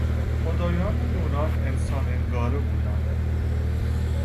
خدایان یونان انسان انگاره بودند.